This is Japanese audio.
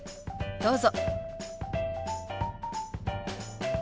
どうぞ。